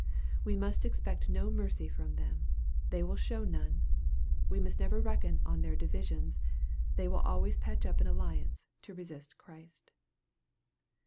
We must expect no mercy from them : they will show none. We must never reckon on their divisions : they will always patch up an alliance to resist Christ.